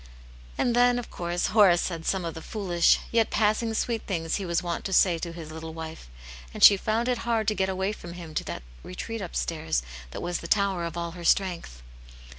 And then, of course, Horace said some of the foolish, yet passing sweet things he was wont to say to his little wife, and she found it hard to get away from him to that retreat upstairs that was the tower of all her strength.